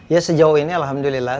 ya sejauh ini alhamdulillah